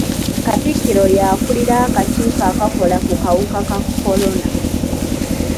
Katikkiro y'akuulira akakiiko akakola ku kawuka ka kolona.